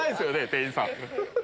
店員さん。